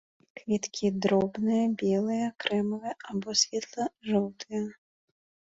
Кветкі дробныя, белыя, крэмавыя або светла-жоўтыя.